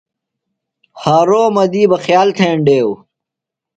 حارومہ دی بہ خیال تھینڈیو۔